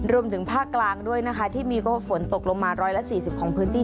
รวมถึงภาคกลางด้วยนะคะที่มีก็ฝนตกลงมาร้อยละสี่สิบของพื้นที่